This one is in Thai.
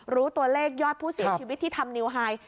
รู้ตัวเลขยอดผู้เสียชีวิตที่ทำนิวไฮ